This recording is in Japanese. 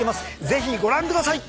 ぜひご覧ください！